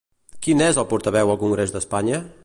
Qui n'és el portaveu al congrés d'Espanya?